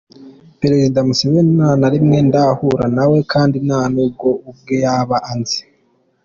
Perezida Museveni ntanarimwe ndahura nawe kandi nta nubwo ubwe yaba anzi.